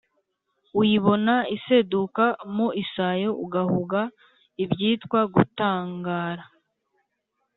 Uyibona iseduka mu isayo Ugahuga ibyitwa gutangara,